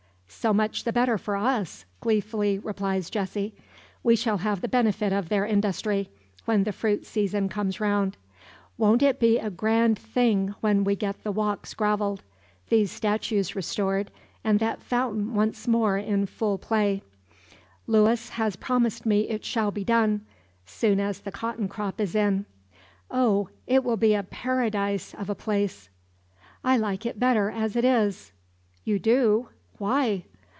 "So much the better for us," gleefully replies Jessie. "We shall have the benefit of their industry, when the fruit season comes round. Won't it be a grand thing when we get the walks gravelled, these statues restored, and that fountain once more in full play. Luis has promised me it shall be done, soon as the cotton crop is in. Oh! it will be a Paradise of a place!" "I like it better as it is." "You do. Why?"